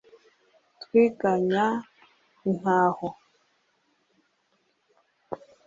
twiganya intaho